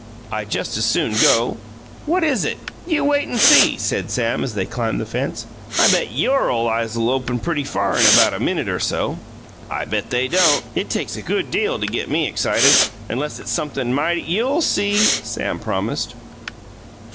I just as soon go. What is it?" "You wait and see," said Sam, as they climbed the fence. "I bet YOUR ole eyes'll open pretty far in about a minute or so!" "I bet they don't. It takes a good deal to get me excited, unless it's sumpthing mighty " "You'll see!" Sam promised.